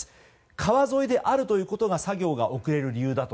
川沿いであるということが作業が遅れる理由だと。